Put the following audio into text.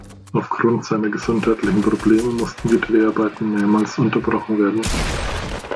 Aufgrund seiner gesundheitlichen Probleme mussten die Dreharbeiten mehrmals unterbrochen werden.